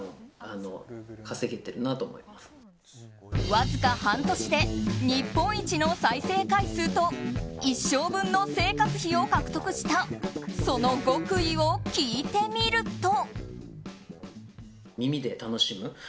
わずか半年で日本一の再生回数と一生分の生活費を獲得したその極意を聞いてみると。